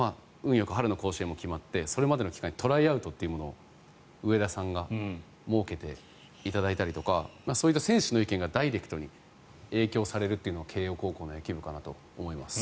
よく春の甲子園も決まってそれまでの期間にトライアウトというものを上田さんに設けていただいたりとかそういった選手の意見がダイレクトに影響されるのは慶応高校の野球部かなと思います。